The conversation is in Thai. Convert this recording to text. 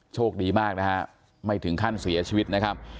โชคดีมากนะฮะไม่ถึงขั้นเสียชีวิตนะครับ